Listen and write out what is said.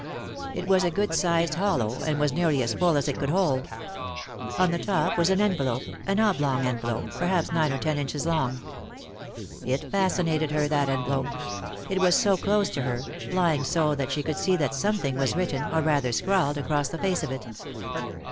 It was a good sized hollow and was 75 * 3i 9 iii^d by Google THE INTERRUPTED KISS nearly as full as it could bold. On the top was an envelope, an oblong envelope, perhaps nine or ten inches long. It fascinated her, that envelope ; it was so close to her, lying so that she could see that some thing was written, or rather scrawled, across the face of it.